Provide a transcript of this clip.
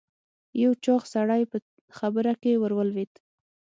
یو چاغ سړی په خبره کې ور ولوېد.